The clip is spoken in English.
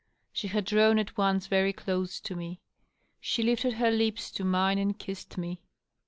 She had drawn at once very close to me. She lifted her lips to mine, and kissed me.